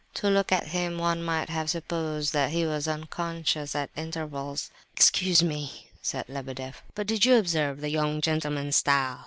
To look at him one might have supposed that he was unconscious at intervals. "Excuse me," said Lebedeff, "but did you observe the young gentleman's style?